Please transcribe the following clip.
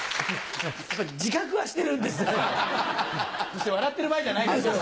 師匠笑ってる場合じゃないですよ。